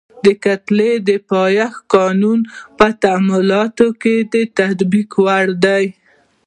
د کتلې د پایښت قانون په تعاملونو کې د تطبیق وړ دی.